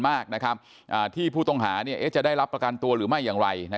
มากนะครับที่ผู้ต้องหาเนี่ยจะได้รับประกันตัวหรือไม่อย่างไรนะ